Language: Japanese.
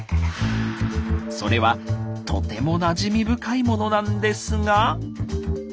それはとてもなじみ深いものなんですが。